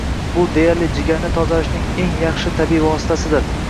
Bu deyarli jigarni tozalashning eng yaxshi tabiiy vositasidir